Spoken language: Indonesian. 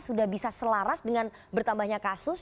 sudah bisa selaras dengan bertambahnya kasus